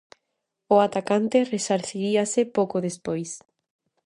O atacante resarciríase pouco despois.